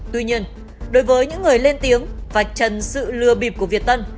tuy nhiên đối với những người lên tiếng và trần sự lừa bịp của việt tân